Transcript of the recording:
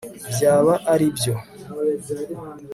byaba aribyo